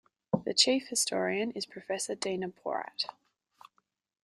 The Chief Historian is Professor Dina Porat.